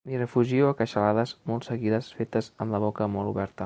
M'hi refugio a queixalades molt seguides fetes amb la boca molt oberta.